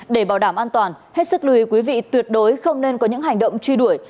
để bảo đảm an toàn hết sức lưu ý quý vị tuyệt đối không nên có những hành động truy đuổi